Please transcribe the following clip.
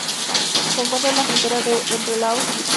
Se encuentra en la frontera entre Laos y Vietnam.